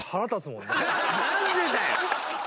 何でだよ